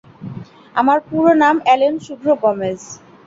আমার পুরো নাম অ্যালেন শুভ্র গমেজ।